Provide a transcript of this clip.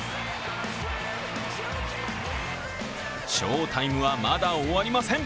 翔タイムはまだ終わりません。